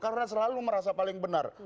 karena selalu merasa paling benar